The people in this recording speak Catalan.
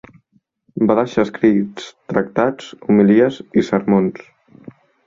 Va deixar escrits tractats, homilies i sermons.